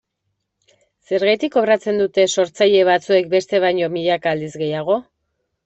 Zergatik kobratzen dute sortzaile batzuek bestek baino milaka aldiz gehiago?